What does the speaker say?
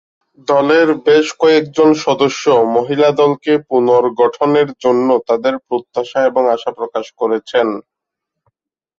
দলের বেশ কয়েকজন সদস্য মহিলা দলকে পুনর্গঠনের জন্য তাদের প্রত্যাশা এবং আশা প্রকাশ করেছেন।